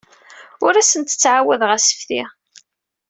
Ur asent-ttɛawadeɣ assefti.